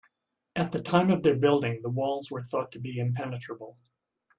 At the time of their building, the walls were thought to be impenetrable.